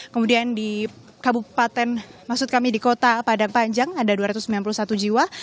kemudian di kabupaten maksud kami di kota padang panjang ada dua ratus sembilan puluh satu jiwa